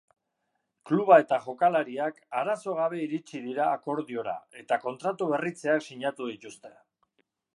Kluba eta jokalariak arazo gabe iritsi dira akordiora eta kontratu-berritzeak sinatu dituzte.